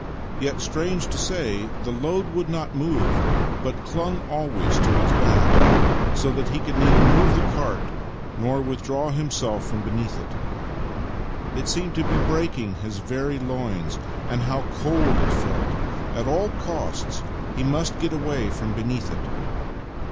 Yet, strange to say, the load would not move, but clung always to his back, so that he could neither move the cart nor withdraw himself from beneath it. It seemed to be breaking his very loins. And how cold it felt ! At all costs he must get away from beneath it.